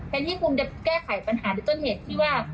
เห็นที่คุณเกลียดแก้ไขปัญหาโดยต้นเหตุที่ว่า